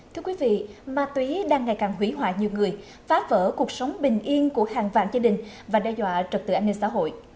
thưa quý vị ma túy đang ngày càng hủy hoại nhiều người phá vỡ cuộc sống bình yên của hàng vạn gia đình và đe dọa trực tự an ninh xã hội